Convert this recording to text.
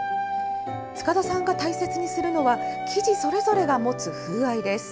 塚田さんが大切にするのは、生地それぞれが持つ風合いです。